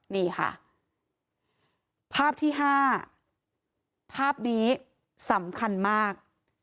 นี่ค่ะภาพที่๕ภาพนี้สำคัญมาก